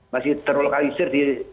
masih terlokaliser di